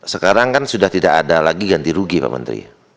sekarang kan sudah tidak ada lagi ganti rugi pak menteri